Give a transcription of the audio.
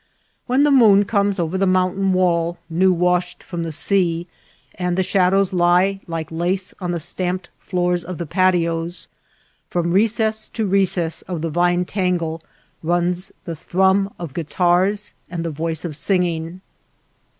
When the moon comes over the mountain wall new washed from the sea, and the shadows lie like lace on the^^stamped floors of the patios, from recess to recess of the vine tangle runs the thrum of guitars and the voice of singing.